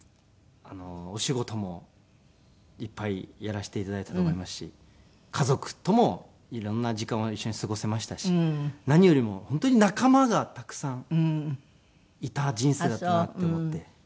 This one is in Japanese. お仕事もいっぱいやらせて頂いたと思いますし家族とも色んな時間を一緒に過ごせましたし何よりも本当に仲間がたくさんいた人生だったなって思って。